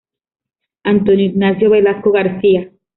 Antonio Ignacio Velasco García.